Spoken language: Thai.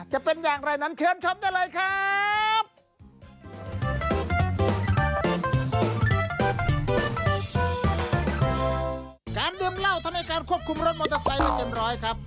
จะเป็นอย่างไรนั้นเชิญชมได้เลยครับ